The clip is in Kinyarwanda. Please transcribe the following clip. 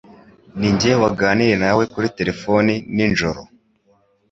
Ninjye waganiriye nawe kuri terefone ni njoro.